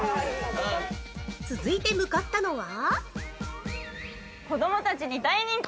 続いて向かったのは？